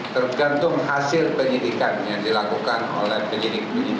tergantung hasil penyidikan yang dilakukan oleh penyidik penyidik